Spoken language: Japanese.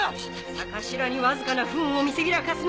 さかしらにわずかな不運を見せびらかすな！